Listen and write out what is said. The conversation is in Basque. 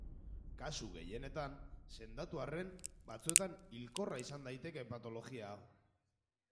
Kasu gehienetan sendatu arren, batzuetan hilkorra izan daiteke patologia hau.